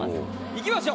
いきましょう。